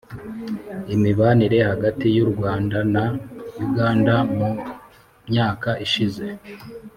imibanire hagati y’u rwanda na uganda mu myaka ishize